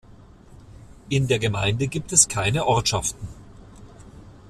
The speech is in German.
In der Gemeinde gibt es keine Ortschaften.